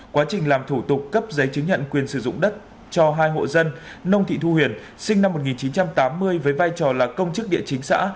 quá trình làm thủ tục cấp giấy chứng nhận quyền sử dụng đất cho hai hộ dân nông thị thu huyền sinh năm một nghìn chín trăm tám mươi với vai trò là công chức địa chính xã